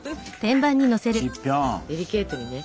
デリケートにね。